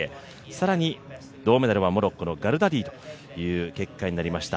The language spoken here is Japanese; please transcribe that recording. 更に銅メダルはモロッコのガルダディという結果になりました。